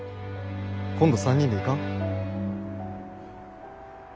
今度３人で行かん？